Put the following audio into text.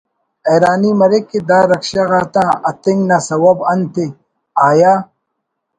حیرانی مریک کہ دا رکشہ غاتا اَتنگ نا سوب انتءِ ……آیا